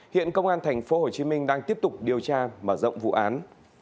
hiện công an tp hcm đang tiếp tục điều tra mở rộng vụ án